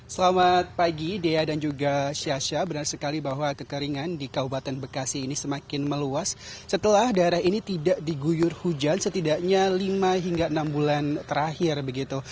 selamat pagi dea dan juga syasha benar sekali bahwa kekeringan di kabupaten bekasi ini semakin meluas setelah daerah ini tidak diguyur hujan setidaknya lima hingga enam bulan terakhir begitu